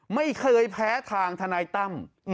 ไม่เคยแพ้ทางทนายตั้ม